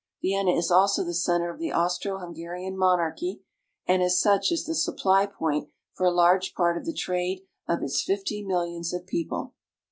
Vienna is also the center of the Austro Hungarian monarchy, and as such is the supply point for a large part of the trade of its fifty millions of people.